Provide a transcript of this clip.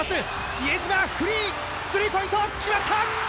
比江島フリースリーポイント決まった！